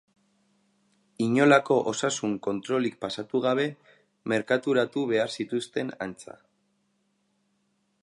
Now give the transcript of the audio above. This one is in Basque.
Inolako osasun kontrolik pasatu gabe merkaturatu behar zituzten, antza.